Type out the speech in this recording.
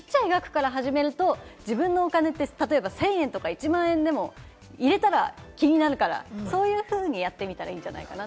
でもやっぱりまず始めることは私も大事だと思うので最初はちっちゃい額から始めると自分のお金って例えば１０００円とか１万円でも入れたら気になるから、そういうふうにやってみたらいいんじゃないかなって。